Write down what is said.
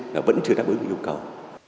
nó vẫn chưa đáp ứng được nhu cầu